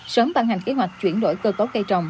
sớm ban hành kế hoạch chuyển đổi cơ cấu cây trồng